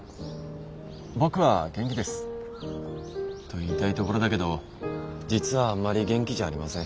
僕は元気です。と言いたいところだけど実はあんまり元気じゃありません。